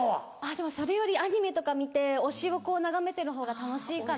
でもそれよりアニメとか見て推しを眺めてるほうが楽しいかな。